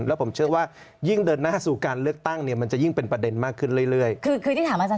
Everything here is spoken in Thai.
แล้วผมเชื่อว่ายิ่งเดินหน้าสู่การเลือกตั้งมันจะยิ่งเป็นประเด็นมากขึ้นเรื่อย